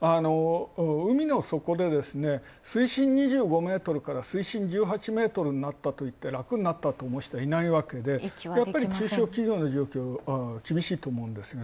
海の底で、推進２５ｍから推進１８メートルとなったといって、楽になったと思う人はいないわけでやっぱり中小企業の状況厳しいと思うんですね。